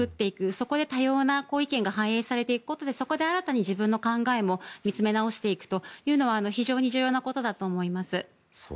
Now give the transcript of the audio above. そこで多様な意見が反映されることでそこで新たに自分の考えも見つめ直していくのは非常に重要なことだと思います。